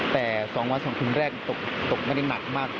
แต่๒วัน๒คืนแรกตกไม่ได้หนักมาก